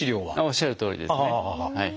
おっしゃるとおりですねはい。